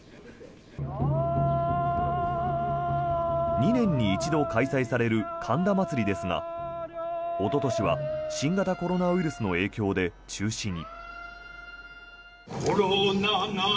２年に一度開催される神田祭ですがおととしは新型コロナウイルスの影響で中止に。